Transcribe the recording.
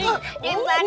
dimana tekonya ini